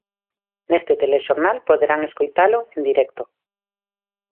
Neste telexornal poderán escoitalo en directo.